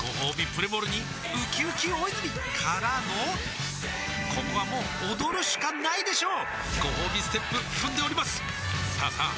プレモルにうきうき大泉からのここはもう踊るしかないでしょうごほうびステップ踏んでおりますさあさあ